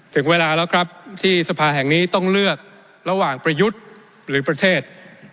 ถึงเวลาแล้วครับที่สภาแห่งนี้ต้องเลือกระหว่างประยุทธ์หรือประเทศ